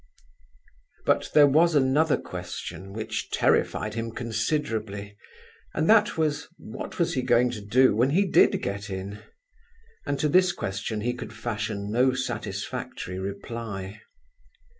But there was another question, which terrified him considerably, and that was: what was he going to do when he did get in? And to this question he could fashion no satisfactory reply.